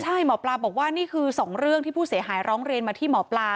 ใช่หมอปลาบอกว่านี่คือสองเรื่องที่ผู้เสียหายร้องเรียนมาที่หมอปลา